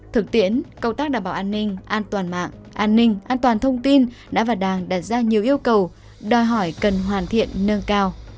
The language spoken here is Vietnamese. thực tiễn công tác đảm bảo an ninh an toàn mạng an ninh an toàn thông tin đã và đang đặt ra nhiều yêu cầu đòi hỏi cần hoàn thiện nâng cao